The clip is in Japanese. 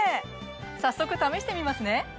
早速試してみますね！